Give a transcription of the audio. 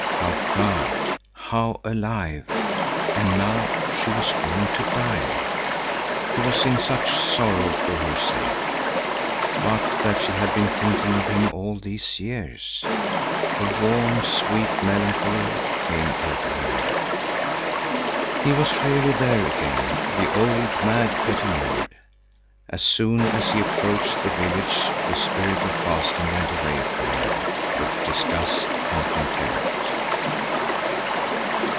How proud, how alive! And now she was going to die. He was in such sorrow for her sake. But that she had been thinking of him all these years! A warm, sweet melancholy came over him. He was really there again, the old, mad Petter Nord. As soon as he approached the village the Spirit of Fasting went away from him with disgust and contempt.